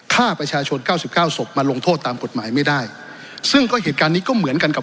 ฆ่าประชาชนเก้าสิบเก้าศพมาลงโทษตามกฎหมายไม่ได้ซึ่งก็เหตุการณ์นี้ก็เหมือนกันกับ